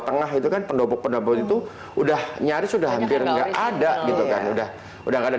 tengah itu kan pendopok pendopo itu udah nyaris sudah hampir nggak ada gitu kan udah udah nggak ada